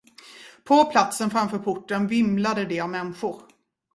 På platsen framför porten vimlade det av människor.